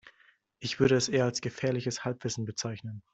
Ich würde es eher als gefährliches Halbwissen bezeichnen.